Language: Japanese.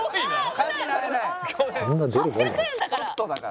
「８００円だから」